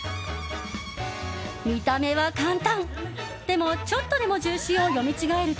見た目は簡単。